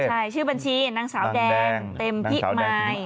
ใช่ชื่อบัญชีนางสาวแดนเต็มพิมาย